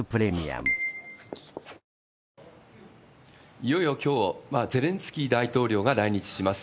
いよいよきょう、ゼレンスキー大統領が来日します。